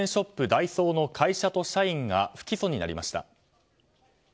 ダイソーの会社と社員が不起訴になりました。